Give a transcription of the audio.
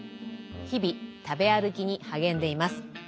日々食べ歩きに励んでいます。